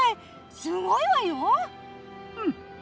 すごいわよ！